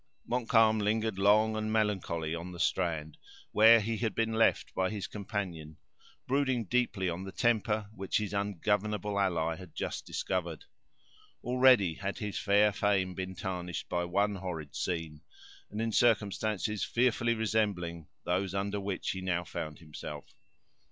Montcalm lingered long and melancholy on the strand where he had been left by his companion, brooding deeply on the temper which his ungovernable ally had just discovered. Already had his fair fame been tarnished by one horrid scene, and in circumstances fearfully resembling those under which he now found himself.